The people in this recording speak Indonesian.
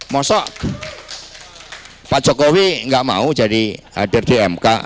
maksudnya pak jokowi nggak mau jadi hadir di mk